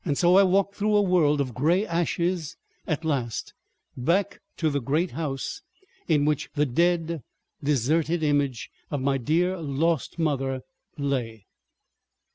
So I walked through a world of gray ashes at last, back to the great house in which the dead, deserted image of my dear lost mother lay.